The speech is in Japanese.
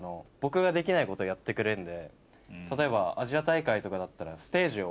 例えば。